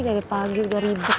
dari pagi dari betul